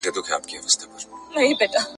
په لرغوني يونان کې ښار او دولت توپير نه درلود.